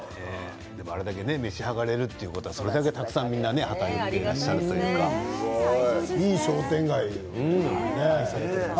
あれだけ召し上がれるということは、それだけ皆さんたくさん働いていらっしゃるということですね。